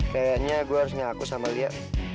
kayaknya gue harus ngaku sama lia